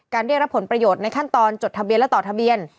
ได้รับผลประโยชน์ในขั้นตอนจดทะเบียนและต่อทะเบียน